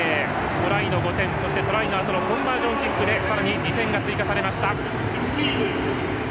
トライの５点さらにトライのあとのコンバージョンキックでさらに２点が追加されました。